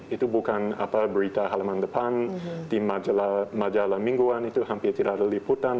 itu bukan berita halaman depan di majalah mingguan itu hampir tidak ada liputan